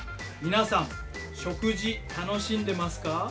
皆さん食事楽しんでますか？